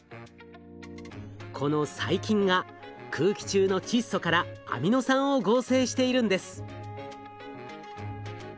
この細菌が空気中の窒素からアミノ酸を合成しているんです。